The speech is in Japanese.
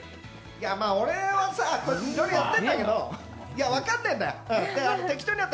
俺はさ、いろいろやってんだけどさ、分かんないんだよ、適当にやって。